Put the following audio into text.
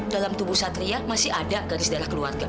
dalam tubuh satria masih ada garis darah keluarga